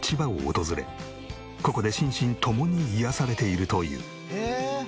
ここで心身ともに癒やされているという。